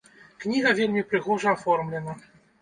Кніга вельмі прыгожа аформлена.